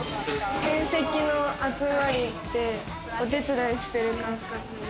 親戚の集まりで、お手伝いしてる感覚です。